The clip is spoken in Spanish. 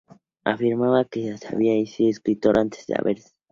Ryman afirma que sabía que iba a ser escritor "antes de saber hablar".